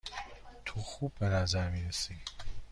تو خوب به نظر می رسی.